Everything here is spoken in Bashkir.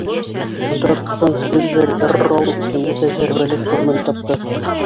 Һонтор Джон Сильвер Эрроу исемле тәжрибәле штурман тапты.